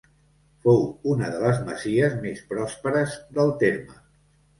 Fou una de les masies més pròsperes del terme.